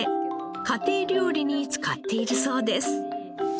家庭料理に使っているそうです。